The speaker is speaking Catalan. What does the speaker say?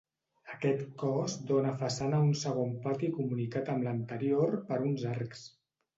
Aquest cos dóna façana a un segon pati comunicat amb l'anterior per uns arcs.